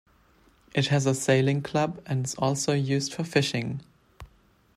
It has a sailing club and is also used for fishing.